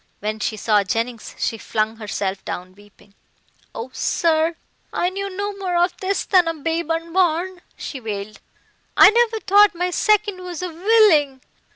When she saw Jennings she flung herself down weeping. "Oh, sir, I knew no more of this than a babe unborn," she wailed, "I never thought my second was a villing.